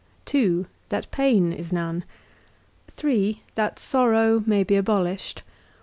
2. That pain is none. 3. That sorrow may be abolished.